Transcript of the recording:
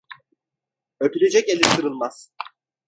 Öpülecek el ısırılmaz.